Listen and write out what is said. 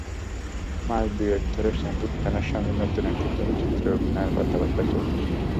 মাস দুয়েক ধরে শাকিব খানের সঙ্গে নতুন একটি চলচ্চিত্রে অভিনয়ের কথাবার্তা চলছে।